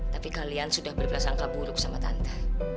tapi kalian sudah berprasangka buruk sama tante